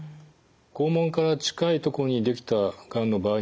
肛門から近いとこにできたがんの場合にはですね